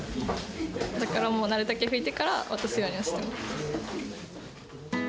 だからもう、なるだけ拭いてから渡すようにはしています。